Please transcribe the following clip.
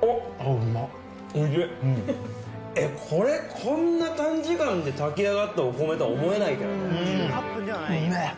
これこんな短時間で炊き上がったお米とは思えないけどね。